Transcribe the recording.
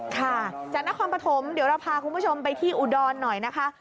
ค่ะจากนครปฐมเดี๋ยวเราพาคุณผู้ชมไปที่อุดรหน่อยนะคะ